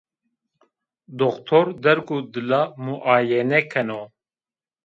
Doktor dergûdila muayene keno